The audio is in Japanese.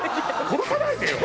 殺さないでよ